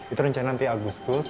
itu rencana nanti agustus